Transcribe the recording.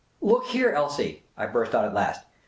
" Look here, Elsie," I burst out at last.